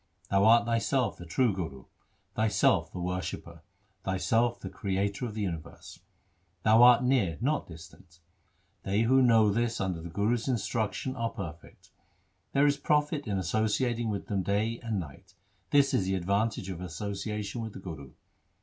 Thou art Thyself the True Guru, Thyself the Worshipper, Thyself the Creator of the universe. Thou art near, not distant. They who know this under the Guru's instruction are perfect. There is profit in associating with them day and night ; this is the advantage of association with the Guru.